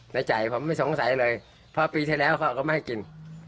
ในใจผมไม่สงสัยเลยเพราะปีที่แล้วเขาก็ไม่ให้กิน